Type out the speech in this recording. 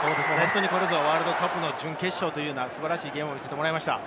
これぞワールドカップの準決勝というような素晴らしいゲームを見せてもらいました。